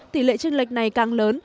tỷ lệ tranh lệch này càng lớn